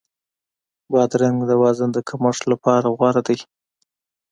بادرنګ د وزن د کمښت لپاره غوره دی.